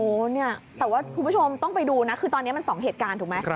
โอ้โหเนี่ยแต่ว่าคุณผู้ชมต้องไปดูนะคือตอนนี้มัน๒เหตุการณ์ถูกไหม